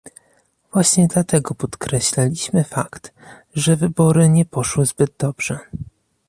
Właśnie dlatego podkreślaliśmy fakt, że wybory nie poszły zbyt dobrze